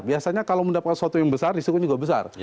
biasanya kalau mendapatkan sesuatu yang besar risikonya juga besar